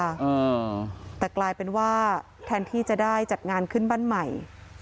อ่าแต่กลายเป็นว่าแทนที่จะได้จัดงานขึ้นบ้านใหม่